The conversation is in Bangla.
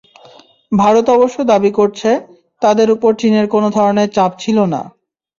ভারত অবশ্য দাবি করছে, তাদের ওপর চীনের কোনো ধরনের চাপ ছিল না।